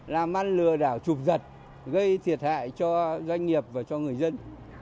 làm ăn lừa đảo trục giật gây thiệt hại cho doanh nghiệp và cho người dân